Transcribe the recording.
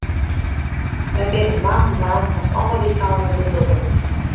Wy binne moannen lang hast alle wykeinen de doar út.